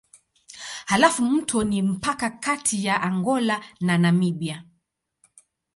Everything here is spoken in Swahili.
Halafu mto ni mpaka kati ya Angola na Namibia.